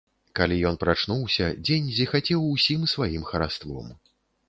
Калі ён прачнуўся, дзень зіхацеў усім сваім хараством.